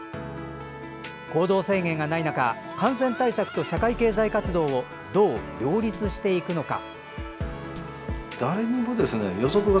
行動制限がない中感染対策と社会経済活動をどう両立していくのか。